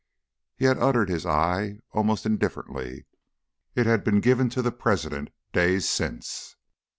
He had uttered his "aye" almost indifferently; it had been given to the President days since.